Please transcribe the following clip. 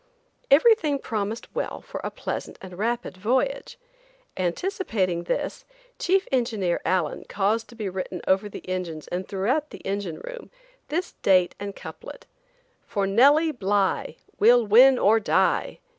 Everything promised well for a pleasant and rapid voyage. Anticipating this, Chief engineer Allen caused to be written over the engines and throughout the engine room, this date and couplet: "For Nellie Bly, We'll win or die.